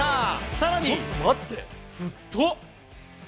さらに。